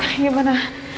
baik dok ini gimana